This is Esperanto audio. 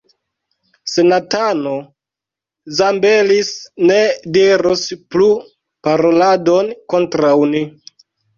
Senatano Zambelis ne diros plu paroladon kontraŭ ni.